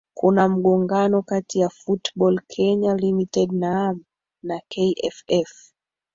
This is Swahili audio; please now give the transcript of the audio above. kuna mgongano kati ya football kenya limited naam na kff